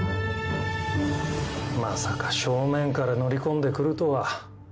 まさか正面から乗り込んでくるとは。